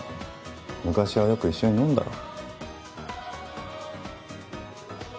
昔はよく一緒に飲んだろ。